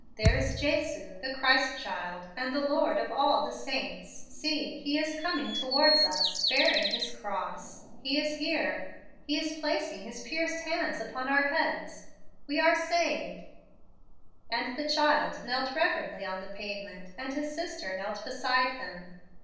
there is Jesu, the Christ Child, and the Lord of all the saints. See, He is coming towards us, bearing His cross He is here He is placing His pierced hands upon our heads we are saved'; and the child knelt reverently on the pavement, and his sister knelt beside him.